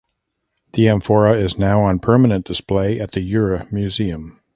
The amphora is now on permanent display at the Ure Museum.